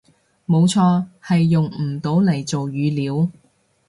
冇錯，係用唔到嚟做語料